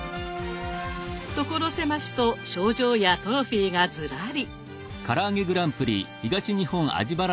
所狭しと賞状やトロフィーがずらり！